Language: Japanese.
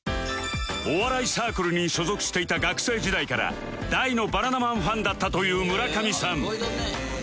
お笑いサークルに所属していた学生時代から大のバナナマンファンだったという村上さん